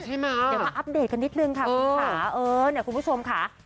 เดี๋ยวมาอัปเดตกันนิดนึงค่ะคุณผู้ชมค่ะ